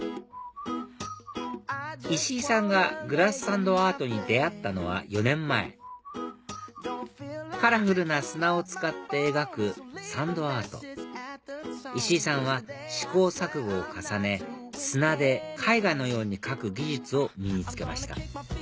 石井さんがグラスサンドアートに出会ったのは４年前カラフルな砂を使って描くサンドアート石井さんは試行錯誤を重ね砂で絵画のように描く技術を身につけました